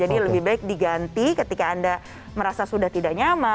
jadi lebih baik diganti ketika anda merasa sudah tidak nyaman